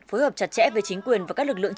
phối hợp chặt chẽ với chính quyền và các lực lượng